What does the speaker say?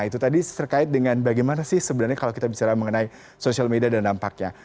itu tadi terkait dengan bagaimana sih sebenarnya kalau kita bicara mengenai social media dan dampaknya